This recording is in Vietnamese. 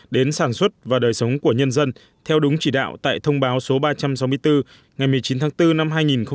đến sản xuất và đời sống của nhân dân theo đúng chỉ đạo tại thông báo số ba trăm sáu mươi bốn ngày một mươi chín tháng bốn năm hai nghìn một mươi chín